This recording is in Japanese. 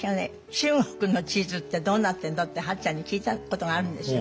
「中国の地図ってどうなってるの？」って八ちゃんに聞いたことがあるんですよ。